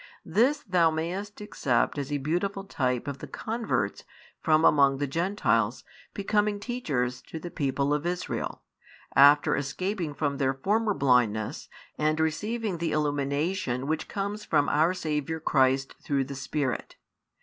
This thou mayest accept as a beautiful type of the converts from among the Gentiles becoming teachers to the people of Israel, after escaping from their former blindness and receiving the illumination which comes from Our Saviour Christ through the Spirit.